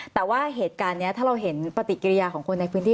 แต่ว่าเหตุการณ์นี้ถ้าเราเห็นปฏิกิริยาของคนในพื้นที่